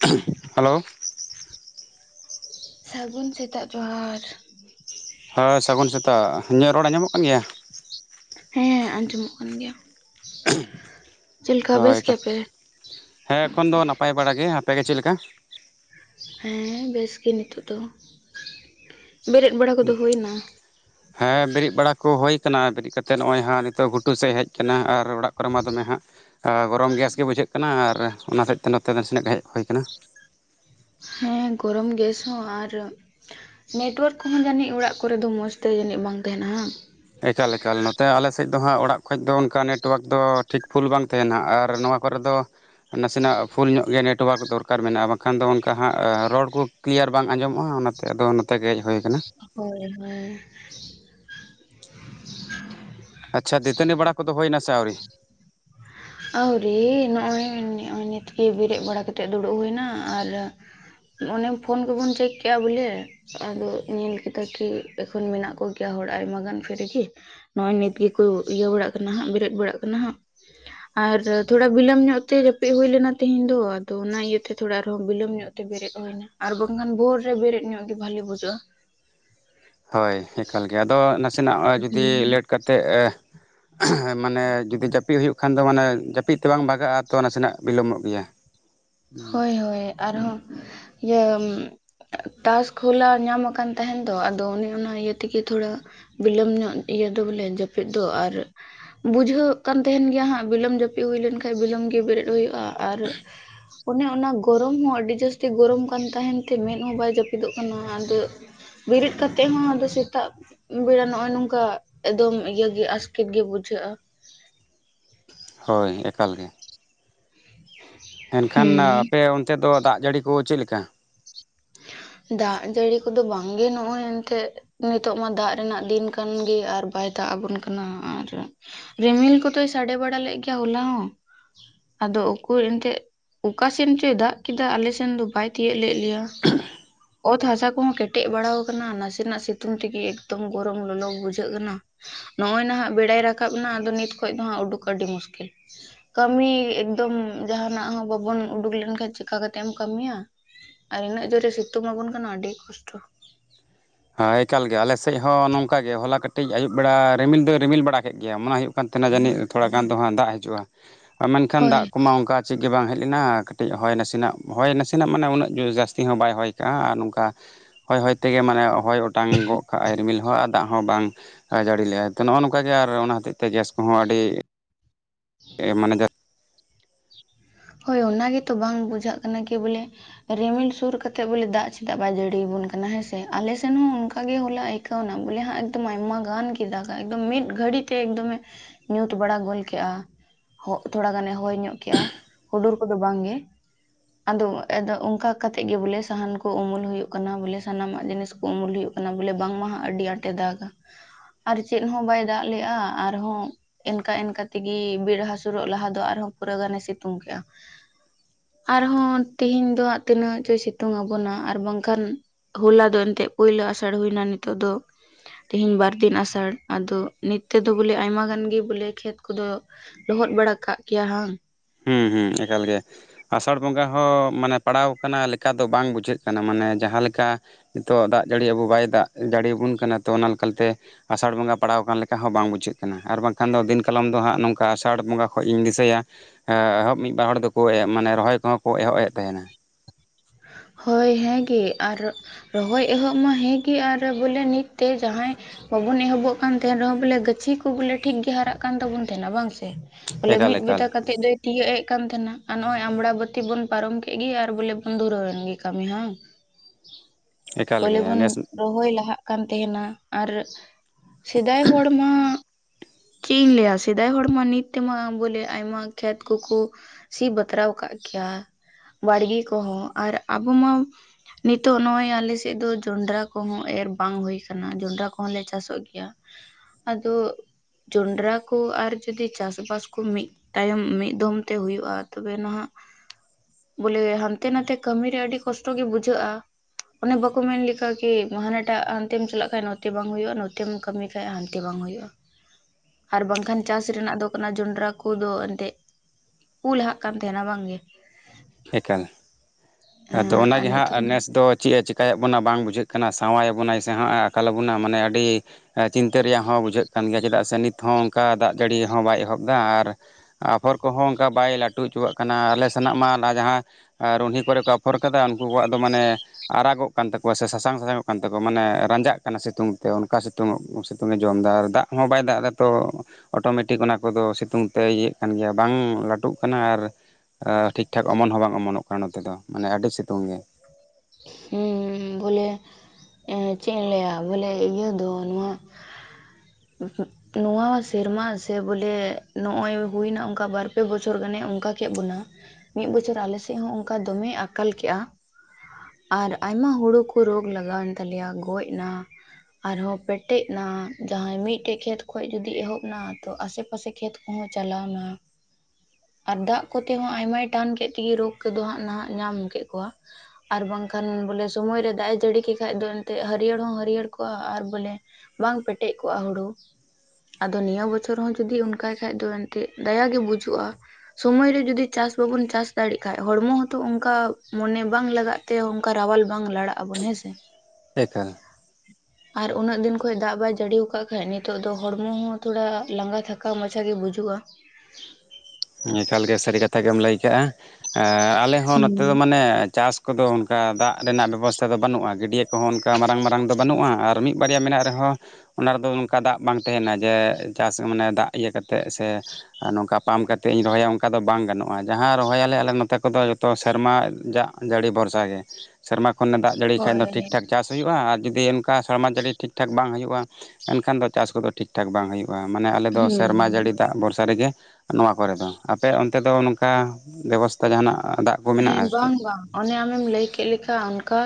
[unintelligible] Hello ᱥᱟᱹᱜᱩᱱ ᱥᱮᱛᱟᱜ ᱡᱚᱦᱟᱨ ᱾ ᱦᱮᱸ ᱥᱟᱹᱜᱩᱱ ᱥᱮᱛᱟᱟᱜ ᱤᱧᱟᱹᱜ ᱨᱚᱲ ᱟᱸᱡᱚᱢᱚᱜ ᱠᱟᱱ ᱜᱮᱭᱟ? ᱦᱮᱸ ᱟᱸᱡᱚᱢᱚᱜ ᱠᱟᱱ ᱜᱮᱭᱟ ᱾ ᱦᱳᱭ ᱛᱚ ᱮᱠᱟ, ᱦᱮᱸ ᱮᱠᱷᱚᱱ ᱫᱚ ᱱᱟᱯᱟᱭ ᱵᱟᱲᱟ ᱜᱮ ᱟᱯᱮ ᱜᱮ ᱪᱮᱫ ᱞᱮᱠᱟ? ᱦᱮᱸ ᱵᱮᱥ ᱜᱮ ᱱᱤᱛᱳ ᱫᱚ, ᱵᱮᱨᱮᱫ ᱵᱟᱲᱟ ᱠᱚᱫᱚ ᱦᱩᱭᱱᱟ? ᱦᱮᱸ ᱵᱮᱨᱮᱫ ᱵᱟᱲᱟ ᱠᱚ ᱦᱩᱭ ᱟᱠᱟᱱᱟ ᱵᱮᱨᱮᱫ ᱠᱟᱛᱮᱜ ᱱᱚᱜ ᱚᱭ ᱦᱟᱸᱜ ᱱᱤᱛᱚᱜ ᱜᱷᱩᱴᱩ ᱥᱮᱡ ᱟᱠᱟᱱᱟ ᱟᱨ ᱚᱲᱟᱜ ᱠᱚᱨᱮ ᱢᱟ ᱫᱚᱢᱮ ᱦᱟᱸᱜᱼᱼ ᱜᱚᱨᱚᱢ ᱜᱮᱥ ᱜᱮ ᱵᱩᱡᱷᱟᱹᱜ ᱠᱟᱱᱟ ᱟᱨ ᱚᱱᱟ ᱦᱚᱛᱮᱡ ᱛᱮ ᱱᱚᱛᱮ ᱱᱟᱥᱮ ᱱᱟᱜ ᱜᱮ ᱦᱮᱡ ᱦᱩᱭ ᱟᱠᱟᱱᱟ ᱾ ᱦᱮᱸ ᱜᱚᱨᱚᱢ ᱜᱮᱥ ᱦᱚᱸ ᱟᱨᱼᱼ ᱱᱮᱴᱳᱣᱟᱨᱠ ᱠᱚᱦᱚᱸ ᱡᱟᱹᱱᱤᱡ ᱚᱲᱟᱜ ᱠᱚᱨᱮ ᱫᱚ ᱢᱚᱡᱽ ᱛᱮ ᱡᱟᱹᱱᱤᱡ ᱵᱟᱝ ᱛᱟᱦᱮᱱᱟ ᱦᱟᱝ ᱾ ᱮᱠᱟᱞ ᱮᱠᱟᱞ ᱱᱚᱛᱼᱼ ᱟᱞᱮ ᱥᱮᱫ ᱫᱚ ᱦᱟᱸᱜ ᱚᱲᱟᱜ ᱠᱷᱚᱡ ᱫᱚ ᱚᱱᱠᱟ ᱱᱮᱴᱚᱣᱟᱨᱠ ᱫᱚ ᱴᱷᱤᱠ ᱯᱷᱩᱞ ᱵᱟᱝ ᱛᱟᱦᱮᱱᱟ ᱟᱨ ᱱᱚᱣᱟ ᱠᱚᱨᱮ ᱫᱚᱼᱼ ᱱᱟᱥᱮ ᱱᱟᱜ ᱯᱷᱩᱞ ᱧᱚᱜ ᱜᱮ ᱱᱮᱴᱚᱣᱟᱨᱠ ᱫᱚᱨᱠᱟᱨ ᱢᱮᱱᱟᱜᱼᱟ, ᱵᱟᱝᱠᱷᱟᱱ ᱫᱚ ᱚᱱᱠᱟ ᱦᱟᱸᱜ ᱨᱚᱲ ᱠᱚᱼᱼ ᱠᱞᱤᱭᱟᱨ ᱵᱟᱝ ᱟᱸᱡᱚᱢᱚᱜᱼᱟ ᱚᱱᱟᱛᱮ ᱟᱫᱚ ᱱᱚᱛᱮ ᱜᱮ ᱦᱮᱡ ᱦᱩᱭ ᱟᱠᱟᱱᱟ ᱾ ᱦᱚᱭ ᱦᱚᱭ ᱾ ᱟᱪᱪᱷᱟ ᱫᱟᱹᱛᱟᱹᱱᱤ ᱵᱟᱲᱟ ᱠᱚᱫᱚ ᱦᱩᱭᱱᱟ ᱥᱮ ᱟᱹᱣᱨᱤ? ᱟᱹᱣᱨᱤ ᱱᱚᱜᱼᱚᱭ ᱱᱚᱜᱼᱚᱭ ᱱᱤᱛᱜᱮ ᱵᱮᱨᱮᱫ ᱵᱟᱲᱟ ᱠᱟᱛᱮᱫ ᱫᱩᱲᱩᱵ ᱦᱩᱭᱱᱟ ᱟᱨᱼᱼ ᱚᱱᱮᱢ ᱯᱷᱳᱱ ᱠᱚᱵᱚᱱ ᱪᱮᱠ ᱠᱮᱜᱼᱟ ᱵᱚᱞᱮᱼᱼ ᱟᱫᱚ ᱧᱮᱞ ᱠᱮᱫᱟ ᱠᱤ ᱮᱠᱷᱚᱱ ᱢᱮᱱᱟᱜ ᱠᱚᱜᱮᱭᱟ ᱦᱚᱲ ᱟᱭᱢᱟ ᱜᱟᱱ ᱯᱷᱤᱨᱤ ᱜᱮ ᱾ ᱱᱚᱜᱼᱚᱭ ᱱᱤᱛ ᱜᱮᱠᱚ ᱤᱭᱟᱹ ᱵᱟᱲᱟᱜ ᱠᱟᱱᱟ ᱦᱟᱸᱜ, ᱵᱮᱨᱮᱫ ᱵᱟᱲᱟᱜ ᱠᱟᱱᱟ ᱦᱟᱸᱜ ᱾ ᱟᱨ ᱛᱷᱚᱲᱟ ᱵᱤᱞᱟᱹᱢ ᱧᱚᱜ ᱛᱮ ᱡᱟᱹᱯᱤᱫ ᱦᱩᱭ ᱞᱮᱱᱟ ᱛᱮᱦᱮᱧ ᱫᱚ, ᱟᱫᱚ ᱚᱱᱟ ᱤᱭᱟᱹᱛᱮ ᱛᱷᱚᱲᱟ ᱟᱨᱦᱚᱸ ᱵᱤᱞᱟᱹᱢ ᱧᱚᱜ ᱛᱮ ᱵᱮᱨᱮᱫ ᱦᱩᱭᱱᱟ ᱾ ᱟᱨ ᱵᱟᱝᱠᱷᱟᱱ ᱵᱷᱳᱨ ᱨᱮ ᱵᱮᱨᱮᱫ ᱧᱚᱜ ᱜᱮ ᱵᱷᱟᱞᱤ ᱵᱩᱡᱷᱟᱹᱜᱼᱟ ᱦᱚᱭ ᱮᱠᱟᱞᱜᱮ ᱟᱫᱚ ᱱᱟᱥᱮ ᱱᱟᱜ ᱡᱩᱫᱤ ᱞᱮᱴ ᱠᱟᱛᱮᱫ ᱮᱼᱼ ᱢᱟᱱᱮ ᱡᱩᱫᱤ ᱡᱟᱹᱯᱤᱫ ᱦᱩᱭᱩᱜ ᱠᱷᱟᱱ ᱫᱚ ᱢᱟᱱᱮ ᱡᱟᱹᱯᱤᱫ ᱛᱮ ᱵᱟᱝ ᱵᱷᱟᱜᱟᱜᱼᱟ ᱛᱚ ᱱᱟᱥᱮ ᱱᱟᱜ ᱵᱤᱞᱚᱢᱚᱜ ᱜᱮᱭᱟ ᱾ ᱦᱳᱭ ᱦᱳᱭ ᱟᱨᱦᱚᱸ ᱤᱭᱟᱹᱼᱼ ᱴᱟᱥᱠ ᱦᱚᱞᱟ ᱧᱟᱢ ᱟᱠᱟᱱ ᱛᱟᱦᱮᱱ ᱫᱚ ᱟᱫᱚ ᱩᱱᱮ ᱚᱱᱟ ᱤᱭᱟᱹ ᱛᱮᱜᱮ ᱛᱷᱚᱲᱟᱼᱼ ᱵᱤᱞᱟᱹᱢ ᱧᱚᱜ ᱤᱭᱟᱹ ᱫᱚ ᱵᱚᱞᱮ ᱡᱟᱹᱯᱤᱫ ᱫᱚ ᱟᱨᱼᱼ ᱵᱩᱡᱷᱟᱹᱜ ᱠᱟᱱ ᱛᱟᱦᱮᱱ ᱜᱮᱭᱟ ᱦᱟᱸᱜ ᱵᱤᱞᱚᱢ ᱡᱟᱹᱯᱤᱫ ᱦᱩᱭ ᱞᱮᱱᱠᱷᱟᱡ ᱵᱤᱞᱚᱢ ᱜᱮ ᱵᱮᱨᱮᱫ ᱦᱩᱭᱩᱜᱼᱟ, ᱟᱨᱼᱼ ᱚᱱᱮ ᱚᱱᱟ ᱜᱚᱨᱚᱢ ᱦᱚᱸ ᱟᱹᱰᱤ ᱡᱟᱹᱥᱛᱤ ᱜᱚᱨᱚᱢ ᱠᱟᱱ ᱛᱟᱦᱮᱱ ᱛᱮ ᱢᱮᱫ ᱦᱚᱸ ᱵᱟᱭ ᱡᱟᱹᱯᱤᱫᱚᱜ ᱠᱟᱱᱟ ᱟᱫᱚᱼᱼ ᱵᱮᱨᱮᱫ ᱠᱟᱛᱮᱫ ᱦᱚᱸ ᱟᱫᱚ ᱥᱮᱛᱟᱜᱼᱼ ᱵᱮᱲᱟ ᱱᱚᱜᱼᱚᱭ ᱱᱚᱝᱠᱟ ᱮᱠᱫᱚᱢ ᱤᱭᱟᱹᱜᱮ ᱟᱥᱠᱮᱛ ᱜᱮ ᱵᱩᱡᱷᱟᱹᱜᱼᱟ ᱾ ᱦᱳᱭ ᱮᱠᱟᱞ ᱜᱮ ᱾ ᱮᱱᱠᱷᱟᱱ ᱟᱯᱮ ᱦᱩᱸ ᱚᱱᱛᱮ ᱫᱚ ᱫᱟᱜ ᱡᱟᱹᱲᱤ ᱠᱚ ᱪᱮᱫ ᱞᱮᱠᱟ? ᱫᱟᱜ ᱡᱟᱹᱲᱤ ᱠᱚᱫᱚ ᱵᱟᱝᱜᱮ ᱱᱚᱜᱼᱚᱭ ᱮᱱᱛᱮᱫᱼᱼ ᱱᱤᱛᱚᱜ ᱢᱟ ᱫᱟᱜ ᱨᱮᱱᱟᱜ ᱫᱤᱱ ᱠᱟᱱᱜᱮ ᱟᱨ ᱵᱟᱭ ᱫᱟᱜ ᱟᱵᱚᱱ ᱠᱟᱱᱟ, ᱟᱨᱼᱼ ᱨᱤᱢᱤᱞ ᱠᱚᱫᱚᱭ ᱥᱟᱰᱮ ᱵᱟᱲᱟ ᱞᱮᱫ ᱜᱮᱭᱟ ᱦᱚᱞᱟ ᱦᱚᱸᱼᱼ ᱟᱫᱚ ᱩᱠᱩᱨ ᱮᱱᱛᱮᱫ ᱚᱠᱟ ᱥᱮᱱ ᱪᱚᱭ ᱫᱟᱜ ᱠᱮᱫᱟ ᱟᱞᱮ ᱥᱮᱱ ᱫᱚ ᱵᱟᱭ ᱛᱤᱭᱳᱜ ᱞᱮᱫ ᱞᱮᱭᱟ ᱾ ᱚᱛ ᱦᱟᱥᱟ ᱠᱚᱦᱚᱸ ᱠᱮᱴᱮᱡ ᱵᱟᱲᱟ ᱟᱠᱟᱱᱟ ᱱᱟᱥᱮ ᱱᱟᱜ ᱥᱤᱛᱩᱝ ᱛᱮᱜᱮ ᱮᱠᱫᱚᱢ ᱜᱚᱨᱚᱢ ᱞᱚᱞᱚ ᱵᱩᱡᱷᱟᱹᱜ ᱠᱟᱱᱟ ᱾ ᱱᱚᱜᱼᱚᱭ ᱱᱟᱜ ᱵᱮᱲᱟᱭ ᱨᱟᱠᱟᱵ ᱮᱱᱟ ᱟᱫᱚ ᱱᱤᱛ ᱠᱷᱚᱡ ᱫᱚ ᱦᱟᱸᱜ ᱩᱰᱩᱠ ᱟᱹᱰᱤ ᱢᱩᱥᱠᱤᱞ ᱾ ᱠᱟᱹᱢᱤ ᱮᱠᱫᱚᱢ ᱡᱟᱦᱟ ᱱᱟᱜ ᱦᱚᱸ ᱵᱟᱵᱚᱱ ᱩᱰᱩᱠ ᱞᱮᱱᱠᱷᱟᱱ ᱪᱮᱠᱟ ᱠᱟᱛᱮ ᱮᱢ ᱠᱟᱹᱢᱤᱭᱟ ᱾ ᱟᱨ ᱤᱱᱟᱹᱜ ᱡᱳᱨᱮ ᱥᱤᱛᱩᱝ ᱟᱵᱚᱱ ᱠᱟᱱᱟ ᱟᱹᱰᱤ ᱠᱚᱥᱴᱚ ᱾ ᱦᱚᱸ ᱮᱠᱟᱞ ᱜᱮ ᱟᱞᱮᱮᱥᱮᱫ ᱦᱚᱸ ᱱᱚᱝᱠᱟ ᱜᱮ ᱦᱚᱞᱟ ᱠᱟᱹᱴᱤᱡ ᱟᱹᱭᱩᱵ ᱵᱮᱲᱟ ᱨᱤᱢᱤᱞ ᱫᱚᱭ ᱨᱤᱢᱤᱞ ᱵᱟᱲᱟ ᱠᱮᱫ ᱜᱮᱭᱟ ᱢᱚᱱᱮ ᱦᱩᱭᱩᱜ ᱼᱼ ᱠᱟᱱ ᱛᱟᱦᱮᱱᱟ ᱡᱟᱹᱱᱤᱡ ᱛᱷᱚᱲᱟ ᱜᱟᱱ ᱫᱚ ᱦᱟᱜ ᱫᱟᱜ ᱦᱤᱡᱩᱜᱼᱟ ᱾ [inaudible] ᱟ ᱢᱮᱱᱠᱷᱟᱱ ᱦᱳᱭ ᱫᱟᱜ ᱠᱚᱢᱟ ᱚᱝᱠᱟ ᱪᱮᱜ ᱜᱮ ᱵᱟᱝ ᱦᱮᱡ ᱞᱮᱱᱟ ᱠᱟᱹᱴᱤᱡ ᱦᱚᱭ ᱱᱟᱥᱤᱱᱟᱜ ᱦᱚᱭ ᱱᱟᱥᱮᱱᱟᱜ ᱢᱟᱱᱮ ᱩᱱᱟᱹᱜ ᱡᱟᱹᱥᱛᱤ ᱦᱚᱸ ᱵᱟᱭ ᱦᱚᱭᱠᱟᱜ-ᱟ ᱟᱨ ᱱᱚᱝᱠᱟ [inaudible] ᱦᱚᱭ ᱦᱚᱭ ᱛᱮᱜᱮ ᱢᱟᱱᱮ ᱦᱚᱭ ᱚᱴᱟᱝᱜᱚᱜ ᱠᱟᱜ ᱟᱭ ᱨᱤᱢᱤᱞ ᱦᱚᱸ ᱟᱨ ᱫᱟᱜ ᱦᱚᱸ ᱵᱟᱝ ᱡᱟᱹᱲᱤ ᱞᱮ-ᱟ ᱛᱚ ᱱᱚᱜᱚ ᱱᱚᱠᱟᱜᱮ ᱜᱮ ᱟᱨ ᱚᱱᱟ ᱦᱚᱛᱮᱡ ᱛᱮ ᱜᱮᱥ ᱠᱚᱦᱚᱸ ᱟᱹᱰᱤ ᱢᱟᱱᱮ ᱡᱚ ᱦᱳᱭ ᱚᱱᱟᱜᱮᱛᱚ ᱵᱟᱝ ᱵᱩᱡᱷᱟᱜ ᱠᱟᱱᱟ ᱠᱤ ᱵᱚᱞᱮ ᱨᱤᱢᱤᱞ ᱥᱩᱨ ᱠᱟᱛᱮᱜ ᱵᱚᱞᱮ ᱫᱟᱜ ᱪᱮᱫᱟᱜ ᱵᱟᱭ ᱡᱟᱹᱲᱤᱭ ᱵᱚᱱ ᱠᱟᱱᱟ ᱦᱮᱸᱥᱮ ᱟᱞᱮᱥᱱ ᱦᱚᱸ ᱚᱝᱠᱟ ᱜᱮ ᱦᱚᱞᱟ ᱠᱷᱟᱣ ᱱᱟ ᱵᱚᱞᱮ ᱦᱟᱸᱜ ᱮᱫᱚᱢ ᱟᱭᱢᱟ ᱜᱟᱱ ᱜᱮ ᱫᱟᱜᱟ ᱮᱠᱫᱚᱢ ᱢᱤᱫ ᱜᱷᱟᱹᱲᱤ ᱛᱮ ᱮᱠᱫᱚᱢᱮ ᱧᱩᱛ ᱵᱟᱲᱟ ᱜᱚᱞ ᱠᱮᱜ-ᱟ ᱦᱚᱜ ᱛᱷᱚᱲᱟ ᱜᱟᱱᱮ ᱦᱚᱭ ᱧᱚᱜ ᱠᱮᱜ-ᱟ ᱦᱩᱰᱩᱨ ᱠᱚᱫᱚ ᱵᱟᱝ ᱜᱮ, ᱟᱫᱚ ᱮᱫ ᱚᱱᱠᱟ ᱠᱟᱛᱮᱜ ᱜᱮ ᱵᱚᱞᱮ ᱥᱟᱦᱟᱱ ᱠᱚ ᱩᱢᱩᱞ ᱦᱩᱭᱩᱜ ᱠᱟᱱᱟ ᱵᱚᱞᱮ ᱥᱟᱱᱟᱢᱟᱜ ᱡᱤᱱᱤᱥ ᱠᱚ ᱩᱢᱩᱞ ᱦᱩᱭᱩᱜ ᱠᱟᱱᱟ ᱵᱚᱞᱮ ᱵᱟᱝᱢᱟ ᱦᱟᱸᱜ ᱟᱹᱰᱤ ᱟᱸᱴᱮ ᱫᱟᱜᱟ ᱟᱨ ᱪᱮᱫ ᱦᱚᱸ ᱵᱟᱭ ᱫᱟᱜ ᱞᱮᱫ-ᱟ ᱟᱨᱦᱚᱸ ᱤᱱᱠᱟ ᱤᱱᱠᱟ ᱛᱤᱜᱤ ᱵᱮᱨ ᱦᱟᱹᱥᱩᱨᱚᱜ ᱞᱟᱦᱟ ᱫᱚ ᱟᱨᱦᱚᱸ ᱯᱩᱨᱟᱹ ᱜᱟᱱᱮ ᱥᱤᱛᱩᱝ ᱠᱮᱜ-ᱟ᱾ ᱟᱨᱦᱚᱸ ᱛᱤᱦᱤᱧ ᱫᱚ ᱟ ᱛᱤᱱᱟᱹᱜ ᱪᱚᱭ ᱥᱤᱛᱩᱝ ᱟᱵᱚᱱᱟ ᱟᱨ ᱵᱟᱝᱠᱷᱟᱱ ᱦᱳᱞᱟ ᱫᱚ ᱮᱱᱛᱮᱜ ᱯᱳᱭᱞᱚ ᱟᱥᱟᱲ ᱦᱩᱭ ᱱᱟ ᱱᱤᱛᱚᱜ ᱫᱚ ᱛᱮᱦᱤᱧ ᱵᱟᱨ ᱫᱤᱱ ᱟᱥᱟᱲ ᱟᱫᱚ ᱱᱤᱛ ᱛᱮᱫᱚ ᱵᱚᱞᱮ ᱟᱭᱢᱟ ᱜᱟᱱ ᱜᱮ ᱵᱚᱞᱮ ᱠᱷᱮᱛ ᱠᱚᱫᱚ ᱞᱚᱦᱚᱫ ᱵᱟᱲᱟ ᱠᱟᱜ ᱜᱮᱭᱟ ᱦᱟᱝ᱾ ᱦᱩᱸ ᱦᱩᱸ ᱮᱠᱟᱞ ᱜᱮ᱾ ᱟᱥᱟᱲ ᱵᱚᱸᱜᱟ ᱦᱚᱸ ᱢᱟᱱᱮ ᱯᱟᱲᱟᱣ ᱠᱟᱱᱟ ᱞᱮᱠᱟ ᱫᱚ ᱵᱟᱝ ᱵᱩᱡᱷᱟᱹᱜ ᱠᱟᱱᱟ ᱢᱟᱱᱮ ᱡᱟᱦᱟᱸ ᱞᱮᱠᱟ ᱱᱤᱛᱚᱜ ᱫᱟᱜ ᱡᱟᱹᱲᱤ ᱟᱵᱚ ᱵᱟᱭ ᱫᱟᱜ ᱡᱟᱹᱲᱤᱭ ᱵᱚᱱ ᱠᱟᱱᱟ ᱛᱚ ᱚᱱᱟ ᱞᱮᱠᱟᱛᱮ ᱟᱥᱟᱲ ᱵᱚᱸᱜᱟ ᱯᱟᱲᱟᱣ ᱠᱟᱱ ᱞᱮᱠᱟ ᱦᱚᱸ ᱵᱟᱝ ᱵᱩᱡᱷᱟᱹᱜ ᱠᱟᱱᱟ ᱟᱨ ᱵᱟᱝᱠᱷᱟᱱ ᱫᱚ ᱫᱤᱱ ᱠᱟᱞᱚᱢ ᱫᱚ ᱦᱟᱸᱜ ᱱᱚᱝᱠᱟ ᱟᱥᱟᱲ ᱵᱚᱸᱜᱟ ᱠᱷᱚᱡ ᱤᱧ ᱫᱤᱥᱟᱹᱭᱟ ᱮ ᱮᱦᱚᱵ ᱢᱤᱜ ᱵᱟᱨ ᱦᱚᱲ ᱫᱚᱠᱚ ᱮ ᱢᱟᱱᱮ ᱨᱚᱦᱚᱭ ᱠᱚᱦᱚᱸ ᱠᱚ ᱮᱦᱚᱵ ᱮᱜ ᱛᱮᱦᱮᱱᱟ᱾ ᱦᱳᱭ ᱦᱮᱸᱜᱮ ᱟᱨ ᱨᱚᱦᱚᱭ ᱮᱦᱚᱵ ᱢᱟ ᱦᱮᱸᱜᱮ ᱟᱨ ᱵᱚᱞᱮ ᱱᱤᱛ ᱛᱮ ᱡᱟᱦᱟᱸᱭ ᱵᱟᱵᱚᱱ ᱮᱦᱚᱵᱚᱜ ᱠᱟᱱ ᱛᱟᱦᱮᱸᱱ ᱨᱮᱦᱚᱸ ᱵᱚᱞᱮ ᱜᱟᱹᱪᱷᱤ ᱠᱚ ᱵᱚᱞᱮ ᱴᱷᱤᱠ ᱜᱮ ᱦᱟᱨᱟᱜ ᱠᱟᱱ ᱛᱟᱵᱚᱱ ᱛᱷᱮᱱᱟ ᱵᱟᱝ ᱥᱮ ᱵᱚᱞᱮ ᱮᱠᱟᱞ ᱢᱤᱫ ᱮᱠᱟᱞ ᱵᱮᱛᱟ ᱠᱟᱛᱮᱜ ᱫᱚᱭ ᱛᱤᱭᱟᱹᱜ ᱮᱜ ᱠᱟᱱ ᱛᱷᱮᱱᱟ ᱟᱨ ᱱᱚᱜ-ᱚᱭ ᱟᱢᱵᱽᱲᱟ ᱵᱟᱹᱛᱤ ᱵᱚᱱ ᱯᱟᱨᱚᱢ ᱠᱮᱜ ᱜᱮ ᱟᱨ ᱵᱚᱞᱮ ᱫᱷᱩᱨᱟᱣᱮᱱ ᱜᱮ ᱠᱟᱹᱢᱤ ᱦᱟᱝ ᱮᱠᱟᱞ ᱜᱮ ᱵᱚᱞᱮ ᱵᱚᱱ ᱱᱮᱥ ᱨᱚᱦᱚᱭ ᱞᱟᱦᱟᱜ ᱠᱟᱱ ᱛᱮᱦᱮᱱᱟ ᱟᱨ ᱥᱮᱫᱟᱭ ᱦᱚᱲ ᱢᱟ ᱪᱤᱜ ᱤᱧ ᱞᱟᱹᱭᱟ ᱥᱮᱫᱟᱭ ᱦᱚᱲ ᱢᱟ ᱱᱤᱛ ᱛᱮᱢᱟ ᱵᱚᱞᱮ ᱟᱭᱢᱟ ᱠᱷᱮᱛ ᱠᱩᱠᱩ ᱥᱤ ᱵᱟᱛᱨᱟᱣ ᱠᱟᱜ ᱠᱮᱭᱟ ᱵᱟᱲᱜᱮ ᱠᱚᱦᱚᱸ ᱟᱨ ᱟᱵᱚ ᱢᱟ ᱱᱤᱛᱚᱜ ᱱᱚᱜ-ᱚᱭ ᱟᱞᱮ ᱥᱮᱜ ᱫᱚ ᱡᱚᱱᱰᱨᱟ ᱠᱚᱦᱚᱸ ᱮᱨ ᱵᱟᱝ ᱦᱩᱭ ᱠᱟᱱᱟ ᱡᱚᱱᱰᱨᱟ ᱠᱚᱦᱚᱸ ᱞᱮ ᱪᱟᱥᱚᱜ ᱜᱮᱭᱟ, ᱟᱫᱚ ᱡᱚᱱᱰᱨᱟ ᱠᱚ ᱟᱨ ᱡᱩᱫᱤ ᱪᱟᱥᱵᱟᱥ ᱠᱚ ᱢᱤᱜ ᱛᱟᱭᱚᱢ ᱢᱤᱫ ᱫᱚᱢ ᱛᱮ ᱦᱩᱭᱩᱜ-ᱟ ᱛᱚᱵᱮ ᱱᱟᱦᱟᱜ ᱵᱚᱞᱮ ᱦᱟᱱ ᱛᱮ ᱱᱟᱛᱮ ᱠᱟᱹᱢᱤᱨᱮ ᱟᱹᱰᱤ ᱠᱚᱥᱴᱚ ᱜᱮ ᱵᱩᱡᱷᱟᱹᱜ-ᱟ, ᱚᱱᱮ ᱵᱟᱠᱚ ᱢᱮᱱ ᱞᱮᱠᱟ ᱠᱤ ᱦᱟᱱᱟᱴᱟᱜ ᱦᱟᱱᱛᱮᱢ ᱪᱟᱞᱟᱜ ᱠᱷᱟᱡ ᱱᱚᱛᱮ ᱵᱟᱝ ᱦᱩᱭᱩᱜ-ᱟ ᱱᱚᱛᱮᱢ ᱠᱟᱹᱢᱤ ᱠᱷᱟᱡ ᱦᱟᱱᱛᱮ ᱵᱟᱝ ᱦᱩᱭᱩᱜ-ᱟ᱾ ᱟᱨ ᱵᱟᱝᱠᱷᱟᱱ ᱪᱟᱥ ᱨᱮᱱᱟᱜ ᱫᱚ ᱠᱟᱱᱟ ᱡᱚᱱᱰᱨᱟ ᱠᱩᱫᱚ ᱮᱱᱛᱮᱜ ᱯᱩ ᱞᱟᱦᱟᱜ ᱠᱟᱱ ᱛᱮᱦᱮᱱᱟ ᱵᱟᱝ ᱜᱮ ᱮᱠᱟᱞ ᱟᱫᱚ ᱦᱮᱸ ᱟᱨ ᱚᱱᱟᱜᱮ ᱱᱤᱛᱚᱜ ᱦᱟᱸᱜ ᱱᱮᱥ ᱫᱚ ᱪᱮᱜ ᱮ ᱪᱤ ᱠᱟᱭᱮᱜ ᱵᱚᱱᱟ ᱵᱟᱝ ᱵᱩᱡᱷᱟᱹᱜ ᱠᱟᱱᱟ ᱥᱟᱶᱟᱭ ᱟᱵᱚᱱᱟᱭ ᱥᱮ ᱦᱟᱸᱜ ᱮ ᱟᱠᱟᱞᱟᱵᱩᱱᱟ ᱢᱟᱱᱮ ᱟᱹᱰᱤ ᱪᱤᱱᱛᱟᱹ ᱨᱮᱭᱟᱜ ᱦᱚᱸ ᱵᱩᱡᱷᱟᱹᱜ ᱠᱟᱱ ᱜᱮᱭᱟ ᱪᱮᱫᱟᱜ ᱥᱮ ᱱᱤᱛᱦᱚᱸ ᱚᱝᱠᱟ ᱫᱟᱜ ᱡᱟᱹᱲᱤ ᱦᱚᱸ ᱵᱟᱭ ᱮᱦᱚᱵ ᱫᱟ ᱟᱨ ᱟᱯᱷᱚᱨ ᱠᱚᱦᱚᱸ ᱚᱝᱠᱟ ᱵᱟᱭ ᱞᱟᱹᱴᱩ ᱪᱩᱣᱟᱜ ᱠᱟᱱᱟ ᱟᱞᱮ ᱥᱮᱱᱟᱜ ᱢᱟ ᱟ ᱡᱟᱦᱟᱸ ᱨᱩᱱᱦᱤ ᱠᱚᱨᱮ ᱠᱚ ᱟᱯᱷᱚᱨ ᱠᱟᱫᱟ ᱩᱱᱠᱩ ᱠᱚᱣᱟᱜ ᱫᱚ ᱢᱟᱱᱮ ᱟᱨᱟᱜᱚᱜ ᱠᱟᱱ ᱛᱟᱠᱚᱣᱟ ᱥᱮ ᱥᱟᱥᱟᱝ ᱥᱟᱥᱟᱝ ᱚᱜ ᱠᱟᱱ ᱛᱟᱠᱚᱣᱟ ᱢᱟᱱᱮ ᱨᱟᱸᱡᱟᱜ ᱠᱟᱱᱟ ᱥᱤᱛᱩᱝ ᱛᱮ ᱚᱱᱠᱟ ᱥᱤ ᱛᱚ ᱥᱤᱛᱩᱝ ᱮ ᱡᱚᱢ ᱫᱟ ᱟᱨ ᱫᱟᱜ ᱦᱚᱸ ᱵᱟᱭ ᱫᱟᱜ ᱮᱫᱟ ᱛᱚ ᱚᱴᱳᱢᱮᱴᱤᱠ ᱚᱱᱟ ᱠᱚᱫᱚ ᱥᱤᱛᱩᱝ ᱛᱮ ᱤᱭᱟᱹᱜ ᱠᱟᱱ ᱜᱮᱭᱟ ᱵᱟᱝ ᱞᱟᱹᱴᱩᱜ ᱠᱟᱱᱟ ᱟᱨ ᱴᱷᱤᱠ ᱴᱷᱟᱠ ᱚᱢᱚᱱ ᱦᱚᱸ ᱵᱟᱝ ᱚᱢᱚᱱᱚᱜ ᱠᱟᱱᱟ ᱱᱚᱛᱮ ᱫᱚ ᱢᱟᱱᱮ ᱟᱹᱰᱤ ᱥᱤᱛᱩᱝ ᱜᱮ ᱦᱩᱸ ᱵᱚᱞᱮ ᱮᱸ ᱪᱮᱫ ᱤᱧ ᱞᱟᱹᱭᱟ ᱵᱚᱞᱮ ᱤᱭᱟᱹ ᱫᱚ ᱱᱚᱣᱟ ᱱᱚᱣᱟ ᱥᱮᱨᱢᱟ ᱥᱮ ᱵᱚᱞᱮ ᱱᱚ ᱚᱭ ᱦᱩᱭᱱᱟ ᱚᱝᱠᱟ ᱵᱟᱨ ᱯᱮ ᱵᱚᱪᱷᱚᱨ ᱜᱟᱱᱮ ᱚᱝᱠᱟ ᱠᱮᱫ ᱵᱚᱱᱟ ᱢᱤᱫ ᱵᱚᱪᱷᱚᱨ ᱟᱞᱮᱥᱮᱫ ᱦᱚᱸ ᱚᱱᱠᱟ ᱫᱚᱢᱮ ᱟᱠᱟᱞ ᱠᱮᱜᱼᱟ ᱟᱨ ᱟᱭᱢᱟ ᱦᱩᱲᱩ ᱠᱚ ᱨᱳᱜ ᱞᱟᱜᱟᱣᱮᱱ ᱛᱟᱞᱮᱭᱟ ᱜᱚᱡ ᱮᱱᱟ ᱟᱨᱦᱚᱸ ᱯᱮᱴᱮᱡ ᱱᱟ ᱡᱟᱦᱟᱸᱭ ᱢᱤᱴᱮᱡ ᱠᱷᱮᱛ ᱠᱷᱚᱡ ᱡᱩᱫᱤ ᱮᱦᱚᱵ ᱮᱱᱟ ᱛᱚ ᱟᱥᱮᱯᱟᱥᱮ ᱠᱷᱮᱛ ᱦᱚᱸ ᱪᱟᱞᱟᱣᱱᱟ ᱟᱨ ᱫᱟᱜ ᱠᱚᱛᱮ ᱦᱚᱸ ᱟᱭᱢᱟᱭ ᱴᱟᱱ ᱠᱮᱫ ᱛᱮᱜᱮ ᱨᱳᱜᱽ ᱠᱚᱫᱚ ᱦᱟᱸᱜ ᱱᱟᱦᱟᱜ ᱧᱟᱢ ᱠᱮᱫ ᱠᱚᱣᱟ ᱟᱨ ᱵᱟᱝ ᱠᱷᱟᱱ ᱵᱚᱞᱮ ᱥᱚᱢᱚᱭ ᱨᱮ ᱫᱟᱜ ᱮ ᱡᱟᱹᱲᱤ ᱠᱮ ᱠᱷᱟᱡ ᱫᱚ ᱮᱱᱛᱮᱫ ᱦᱟᱹᱨᱭᱟᱹᱲ ᱦᱚᱸ ᱦᱟᱹᱨᱭᱟᱹᱲ ᱠᱚᱜᱼᱟ ᱟᱨ ᱵᱚᱞᱮ ᱵᱟᱝ ᱯᱮᱴᱮᱡ ᱠᱚᱜᱼᱟ ᱦᱩᱲᱩ ᱟᱫᱚ ᱱᱤᱭᱟᱹ ᱵᱚᱪᱷᱚᱨ ᱦᱚᱸ ᱡᱫᱤ ᱚᱱᱠᱟᱭ ᱠᱷᱟᱡ ᱫᱚ ᱮᱱᱛᱮᱫ ᱫᱟᱭᱟ ᱜᱮ ᱵᱩᱡᱩᱜᱼᱟ ᱥᱚᱢᱚᱭ ᱨᱮ ᱡᱩᱫᱤ ᱪᱟᱥ ᱵᱟᱵᱚᱱ ᱪᱟᱥ ᱫᱟᱲᱮᱜ ᱠᱷᱟᱱ ᱦᱚᱲᱢᱚ ᱦᱚᱛᱚ ᱚᱱᱠᱟ ᱢᱚᱱᱮ ᱵᱟᱝ ᱞᱟᱜᱟᱜ ᱛᱮ ᱚᱝᱠᱟ ᱨᱟᱣᱟᱞ ᱵᱟᱝ ᱞᱟᱲᱟᱜ ᱟᱵᱚᱱ ᱦᱮᱸ ᱥᱮ ᱮᱠᱟᱞ [inaudible] ᱟᱨ ᱩᱱᱟᱹᱜ ᱫᱤᱱ ᱠᱷᱚᱱ ᱫᱟᱜ ᱵᱟᱭ ᱡᱟᱹᱲᱤ ᱟᱠᱟᱫ ᱠᱷᱟᱱ ᱱᱤᱛᱚᱜ ᱫᱚ ᱦᱚᱲᱢᱚ ᱦᱚᱸ ᱛᱷᱚᱲᱟ ᱞᱟᱸᱜᱟ ᱛᱷᱟᱠᱟᱣ ᱢᱟᱪᱷᱟ ᱜᱮ ᱵᱩᱡᱩᱜᱼᱟ ᱮᱠᱟᱞᱜᱮ ᱥᱟᱹᱨᱤ ᱠᱟᱛᱷᱟ ᱜᱮᱢ ᱞᱟᱹᱭ ᱠᱟᱜᱼᱟ ᱟᱞᱮ ᱦᱚᱸ ᱱᱚᱛᱮ ᱫᱚ ᱦᱩᱸ ᱢᱟᱱᱮ ᱪᱟᱥ ᱠᱚᱫᱚ ᱚᱱᱠᱟ ᱫᱟᱜ ᱨᱮᱱᱟᱜ ᱵᱮᱵᱚᱥᱛᱷᱟ ᱫᱚ ᱵᱟᱹᱱᱩᱜᱼᱟ ᱜᱟᱹᱰᱭᱟᱹ ᱠᱚᱦᱚᱸ ᱚᱱᱠᱟ ᱢᱟᱨᱟᱝ ᱢᱟᱨᱟᱝ ᱫᱚ ᱵᱟᱹᱱᱩᱜᱼᱟ ᱟᱨ ᱢᱤᱫ ᱵᱟᱨᱭᱟ ᱢᱮᱱᱟᱜ ᱨᱮᱦᱚᱸ ᱚᱱᱟ ᱨᱮᱫᱚ ᱱᱚᱝᱠᱟ ᱫᱟᱜ ᱵᱟᱝ ᱛᱟᱦᱮᱱᱟ ᱡᱮ ᱪᱟᱥ ᱢᱟᱱᱮ ᱫᱟᱜ ᱤᱭᱟᱹ ᱠᱟᱛᱮᱜ ᱥᱮ ᱟᱨ ᱱᱚᱝᱠᱟ ᱯᱟᱢ ᱠᱟ ᱛᱮ ᱤᱧ ᱨᱚᱦᱚᱭᱟ ᱚᱱᱠᱟ ᱫᱚ ᱵᱟᱝ ᱜᱟᱱᱚᱜᱼᱟ ᱡᱟᱦᱟᱸ ᱨᱚᱦᱚᱭᱟᱞᱮ, ᱟᱞᱮ ᱱᱚᱛᱮ ᱠᱚᱫᱚ ᱡᱚᱛᱚ ᱥᱮᱨᱢᱟ ᱡᱟᱜ ᱡᱟᱹᱲᱤ ᱵᱷᱚᱨᱥᱟ ᱜᱮ ᱥᱮᱢᱟ ᱠᱷᱚᱱᱮ ᱫᱟᱜ ᱡᱟᱹᱲᱤ ᱠᱷᱟᱱ ᱫᱚ ᱴᱷᱤᱠ ᱦᱳᱭ ᱴᱷᱟᱠ ᱪᱟᱥ ᱦᱩᱭᱩᱜᱼᱟ ᱟᱨ ᱡᱩᱫᱤ ᱚᱱᱠᱟ ᱥᱮᱨᱢᱟ ᱡᱟᱹᱲᱤ ᱴᱷᱤᱠ ᱴᱷᱟᱠ ᱵᱟᱝ ᱦᱩᱭᱩᱜᱼᱟ ᱮᱱᱠᱷᱟᱱ ᱫᱚ ᱪᱟᱥ ᱠᱚᱫᱚ ᱴᱷᱤᱠ ᱴᱷᱟᱠ ᱵᱟᱝ ᱦᱩᱭᱩᱜᱼᱟ ᱢᱟᱱᱮ ᱟᱞᱮᱫᱚ ᱥᱮᱨᱢᱟ ᱦᱩᱸ ᱡᱟᱹᱲᱤ ᱫᱟᱜ ᱵᱷᱚᱨᱥᱟ ᱨᱮᱜᱮ, ᱱᱚᱣᱟ ᱠᱚᱨᱮ ᱫᱚ ᱟᱯᱮ ᱛᱮᱫᱚ ᱱᱚᱝᱠᱟ ᱵᱮᱵᱚᱥᱛᱟ ᱡᱟᱦᱟᱱᱟᱜ ᱫᱟᱜ ᱠᱚ ᱦᱮᱸ ᱢᱮᱱᱟᱜᱼᱟ ᱥᱮ ᱵᱟᱝ ᱪᱮᱫ ᱵᱟᱝ ᱚᱱᱮ ᱟᱢᱮᱢ ᱞᱟᱹᱭ ᱠᱮᱫ ᱞᱮᱠᱟ ᱚᱱᱠᱟ